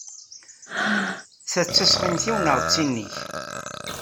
Ta d tasɣimt-iw neɣ d tin-ik?